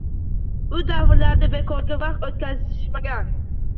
U davrlarda bekorga vaqt o'tkazishmagan.